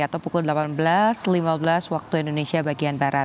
atau pukul delapan belas lima belas waktu indonesia bagian barat